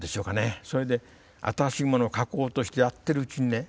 それで新しいものを書こうとしてやってるうちにね